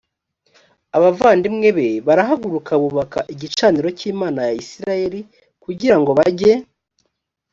abavandimwe be barahaguruka bubaka igicaniro cy imana ya isirayeli kugira ngo bajye